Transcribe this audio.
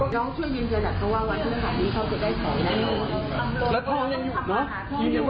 ยังช่วยยืนเชิญยันกับเขาว่าวันนี้เขาจะได้ทองอยู่แล้ว